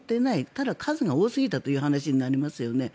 ただ、数が多すぎたという話になりますよね。